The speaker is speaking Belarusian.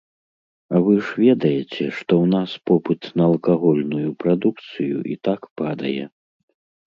А вы ж ведаеце, што ў нас попыт на алкагольную прадукцыю і так падае.